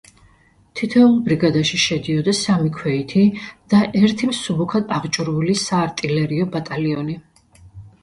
თითოეულ ბრიგადაში შედიოდა სამი ქვეითი და ერთი მსუბუქად აღჭურვილი საარტილერიო ბატალიონი.